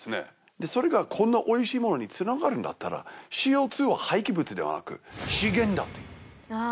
でそれがこんなおいしいものにつながるんだったらＣＯ２を廃棄物ではなく資源だというあ